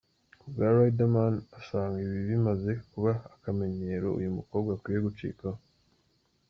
Ku bwa Riderman asanga ibi bimaze kuba akamenyero uyu mukobwa akwiye gucikaho.